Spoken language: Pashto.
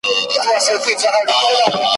نه جامې او نه څپلۍ په محله کي `